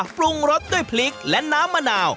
ปรุงรสด้วยพริกและน้ำมะนาว